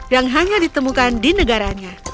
yang hanya ditemukan di negaranya